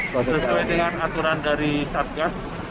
sesuai dengan aturan dari satgas